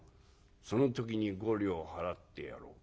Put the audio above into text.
「その時に５両払ってやろう。